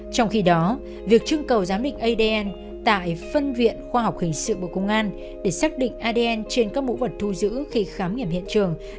trong khi đó việc trưng cầu giám định adn tại phân viện khoa học hình sự bộ công an để xác định adn trên các mẫu vật thu giữ khi khám nghiệm hiện trường